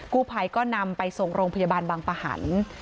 กู้ภัยก็นำไปส่งโรงพยาบาลบางปะหัน